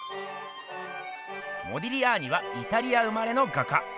モディリアーニはイタリア生まれの画家。